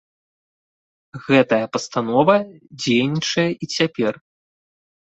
Гэтая пастанова дзейнічае і цяпер.